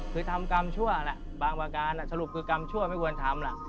คือทำกรรมชั่วแหละบางประการสรุปคือกรรมชั่วไม่ควรทำล่ะ